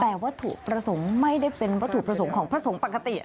แต่วัตถุประสงค์ไม่ได้เป็นวัตถุประสงค์ของพระสงฆ์ปกติ